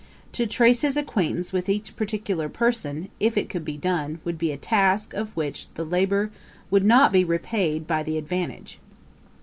To trace his acquaintance with each particular person, if it could be done, would be a task, of which the labour would not be repaid by the advantage.